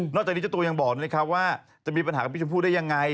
จากนี้เจ้าตัวยังบอกนะครับว่าจะมีปัญหากับพี่ชมพู่ได้ยังไง